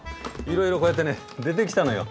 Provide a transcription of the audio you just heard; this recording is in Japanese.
いろいろこうやってね出てきたのよ。